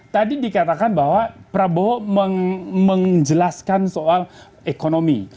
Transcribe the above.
tadi dikatakan bahwa prabowo menjelaskan soal ekonomi